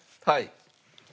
はい。